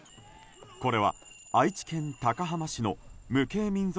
これは愛知県高浜市の無形民俗